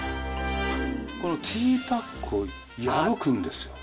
このティーパックを破くんですよ。